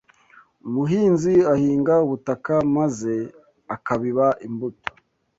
umuhinzi ahinga ubutaka maze akabiba imbuto